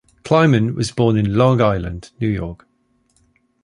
Kleiman was born in Long Island, New York.